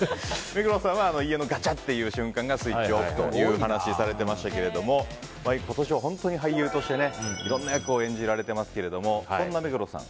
目黒さんは家のガチャって瞬間がスイッチオフという話をされてましたけど今年は俳優としていろんな役を演じられていますがそんな目黒さん